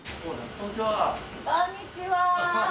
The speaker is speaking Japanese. こんにちは。